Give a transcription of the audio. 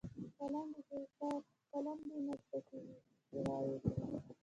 قلم دې نه زړه کېږي چې رايې کړئ.